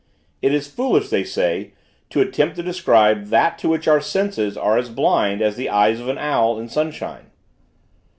It is foolish, they say, to attempt to describe that to which our senses are as blind as the eyes of the owl in sunshine.